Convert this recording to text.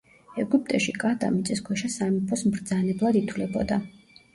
ეგვიპტეში კატა მიწისქვეშა სამეფოს მბრძანებლად ითვლებოდა.